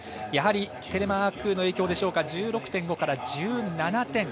やはりテレマークの影響でしょうか１６．５から１７点。